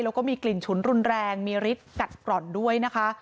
แล้วก็มีกลิ่นฉุนรุนแรงมีฤทธิ์กัดกร่อนด้วยนะคะ